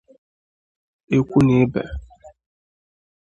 ikwu na ibe